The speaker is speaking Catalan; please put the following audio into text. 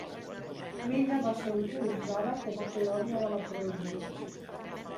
L'illa va ser utilitzada com a colònia de leprosos.